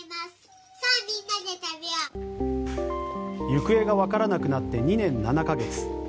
行方がわからなくなって２年７か月。